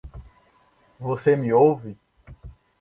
Você me ouve?